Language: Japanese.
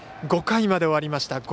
５回まで終わりました。